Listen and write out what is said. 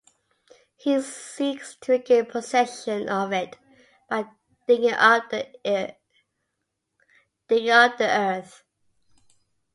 He seeks to regain possession of it by digging up the earth.